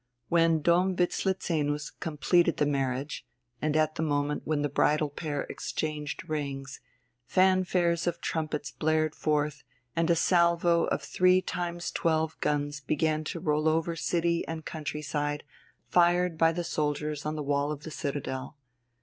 Then Dom Wislezenus completed the marriage, and at the moment when the bridal pair exchanged rings, fanfares of trumpets blared forth, and a salvo of three times twelve guns began to roll over city and country side, fired by the soldiers on the wall of the "Citadel."